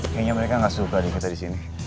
kayaknya mereka gak suka diketahui di sini